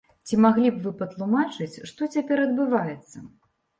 Ці маглі б вы патлумачыць, што цяпер адбываецца?